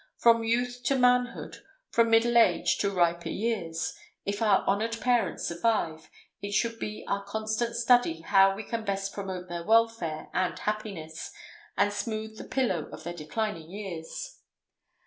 From youth to manhood, from middle age to riper years, if our honored parents survive, it should be our constant study how we can best promote their welfare and happiness, and smooth the pillow of their declining years.